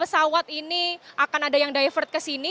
pesawat ini akan ada yang divert ke sini